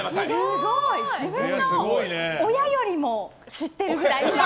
自分の親よりも知ってるぐらい。